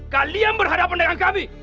kalian berhadapan dengan kami